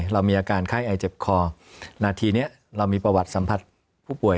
เรามีอาการไข้ไอเจ็บคอนาทีนี้เรามีประวัติสัมผัสผู้ป่วย